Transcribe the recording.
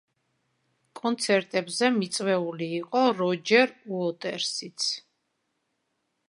კონცერტებზე მიწვეული იყო როჯერ უოტერსიც.